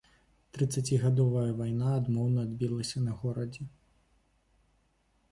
Трыццацігадовая вайна адмоўна адбілася на горадзе.